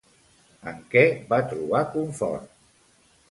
En què va trobar confort?